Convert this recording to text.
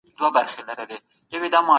څنګه غرور مې پرې کولو